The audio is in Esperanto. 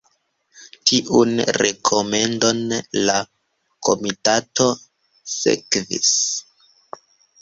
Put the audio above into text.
Tiun rekomendon la komitato sekvis.